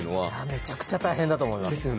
めちゃくちゃ大変だと思います。